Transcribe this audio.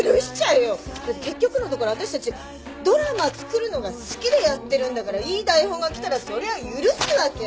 だって結局のところ私たちドラマ作るのが好きでやってるんだからいい台本が来たらそりゃ許すわけ。